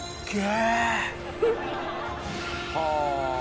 はあ！